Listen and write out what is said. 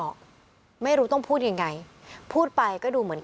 ก็มันยังไม่หมดวันหนึ่ง